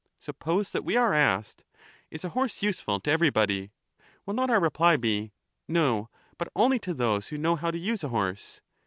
Suppose that we are asked, ' Is a horse useful to everybody? ' will not our reply be, ' No, but only to those who know how to use a horse